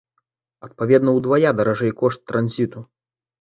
Адпаведна ўдвая даражэй кошт транзіту.